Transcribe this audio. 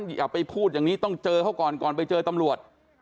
อย่าไปพูดอย่างนี้ต้องเจอเขาก่อนก่อนไปเจอตำรวจ